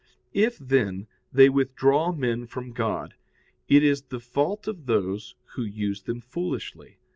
If, then, they withdraw men from God, it is the fault of those who use them foolishly.